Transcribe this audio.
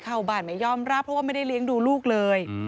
เข้าบ้านไม่ยอมรับเพราะว่าไม่ได้เลี้ยงดูลูกเลย